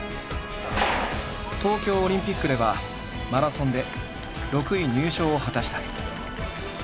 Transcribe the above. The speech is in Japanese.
東京オリンピックではマラソンで６位入賞を果たした。